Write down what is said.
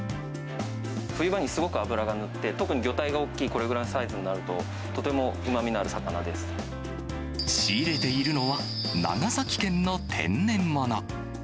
冬場にすごく脂が乗って、特に魚体が大きい、これぐらいのサイズになると、とてもうまみの仕入れているのは、長崎県の天然物。